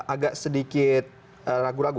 agak sedikit ragu ragu